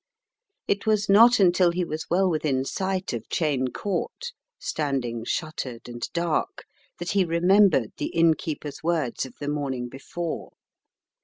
It was not until he was well within sight of Cheyne Court, standing shuttered and dark, that he remembered the innkeeper's words of the morning before.